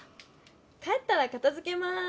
帰ったらかたづけます。